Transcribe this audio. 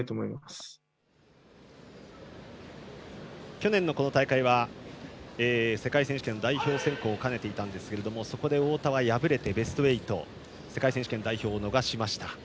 去年のこの大会は世界選手権の代表選考を兼ねていたんですけれどもそこで太田は敗れて、ベスト８で世界選手権代表を逃しました。